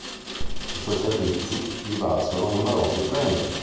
I suoi servizi gli valsero numerosi premi.